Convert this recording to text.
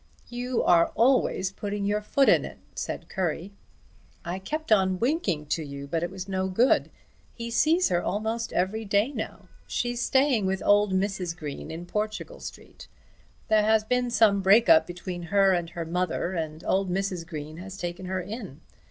"You are always putting your foot in it," said Currie. "I kept on winking to you but it was no good. He sees her almost every day now. She's staying with old Mrs. Green in Portugal Street. There has been some break up between her and her mother, and old Mrs. Green has taken her in.